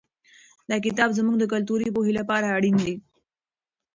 دا کتاب زموږ د کلتوري پوهې لپاره اړین دی.